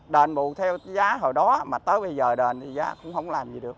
đền bù theo giá hồi đó mà tới bây giờ đền thì giá cũng không làm gì được